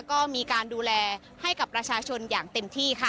ก็มีการดูแลให้กับประชาชนอย่างเต็มที่ค่ะ